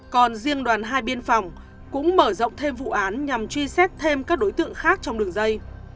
còn riêng đoàn hai biên phòng cũng mở rộng thêm vụ án nhằm truy xét thêm các đối tượng khác trong đường dây